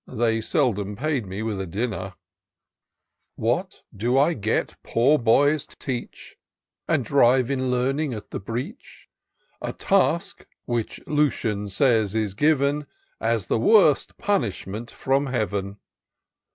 They seldom paid me with a dinner I IN SEARCH OF THE PICTURESQUE. 277 What do I get, poor boys to teach, And drive in learning at the breech ? A task, which Lucian says, is given As the worst punishment from Heaven.